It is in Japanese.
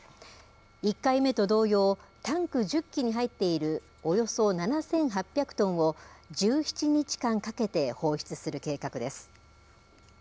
１回目と同様タンク１０基に入っているおよそ７８００トンを１７日間かけて放出する計画です。